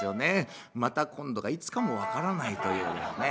「また今度」がいつかも分からないというですね